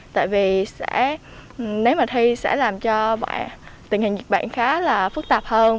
tại vì nếu mà thi sẽ làm cho tình hình dịch bệnh khá là phức tạp hơn